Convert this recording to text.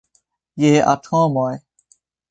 Je atomoj.